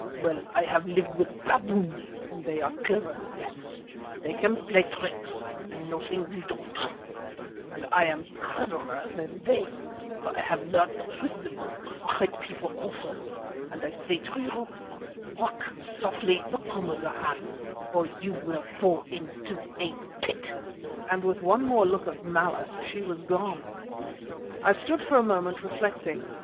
Well, I have lived with baboons, and they are clever—yes, they can play tricks and know things that you don't, and I am cleverer than they, for I have learnt the wisdom of white people also, and I say to you, Walk softly, Macumazahn, or you will fall into a pit," and with one more look of malice she was gone. I stood for a moment reflecting.